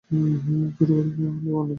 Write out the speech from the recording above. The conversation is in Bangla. ছোট করে হলেও আনন্দ করি?